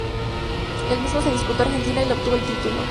El mismo se disputó en Argentina y la obtuvo el título.